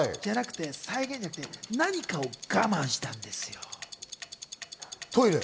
再現じゃなくて何かを我慢したんですよ。